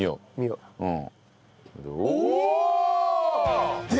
うん。